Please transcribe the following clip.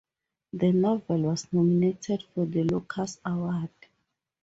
The novel was nominated for the Locus Award.